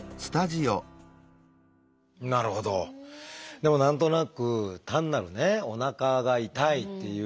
でも何となく単なるおなかが痛いという。